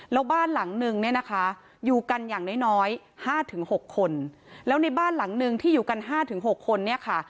แล้วบ้านหลังนึงเนี่ยนะคะอยู่กันอย่างน้อย๕๖คนแล้วในบ้านหลังนึงที่อยู่กัน๕๖คนเนี่ยค่ะ